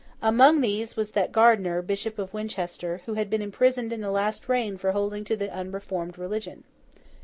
Among these was that Gardiner, Bishop of Winchester, who had been imprisoned in the last reign for holding to the unreformed religion.